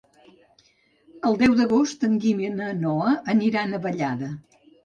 El deu d'agost en Guim i na Noa aniran a Vallada.